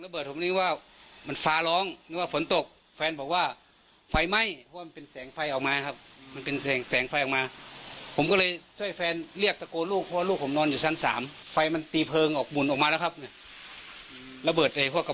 ผมคิดว่าเค้านอนอยู่ท่านบนแต่ว่าขวัญมันก็ขวัญเยอะแล้วอ่ะ